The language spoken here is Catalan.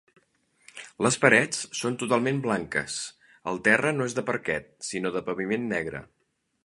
Les parets són totalment blanques, el terra no és de parquet, sinó de paviment negre.